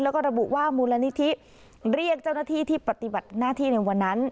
แล้วก็ระบุว่ามูลนิธิเรียกเจ้าหน้าที่ที่ปฏิบัติหน้าที่ในวันนั้น